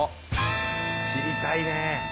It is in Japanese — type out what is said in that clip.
知りたいね！